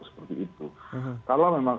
seperti itu kalau memang